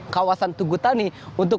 kawasan tugutani untuk